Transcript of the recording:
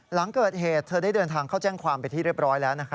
หลังเกิดเหตุเธอได้เดินทางเข้าแจ้งความเป็นที่เรียบร้อยแล้ว